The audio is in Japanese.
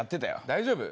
大丈夫？